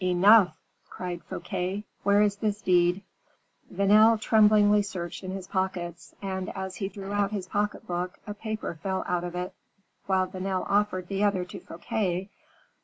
"Enough!" cried Fouquet. "Where is this deed?" Vanel tremblingly searched in his pockets, and as he drew out his pocket book, a paper fell out of it, while Vanel offered the other to Fouquet.